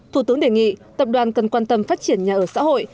thủ tướng đề nghị tập đoàn cần quan tâm phát triển nhà ở xã hội